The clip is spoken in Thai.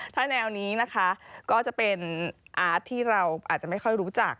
ถ้าแนวนี้นะคะก็จะเป็นอาร์ตที่เราอาจจะไม่ค่อยรู้จัก